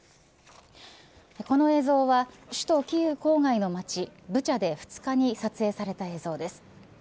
この映像は首都キーウ郊外の町ブチャで２日に撮影された映像です。